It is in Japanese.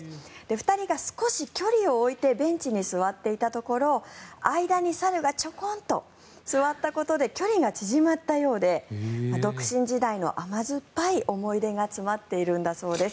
２人が少し距離を置いてベンチに座っていたところ間に猿がチョコンと座ったことで距離が縮まったようで独身時代の甘酸っぱい思い出が詰まっているんだそうです。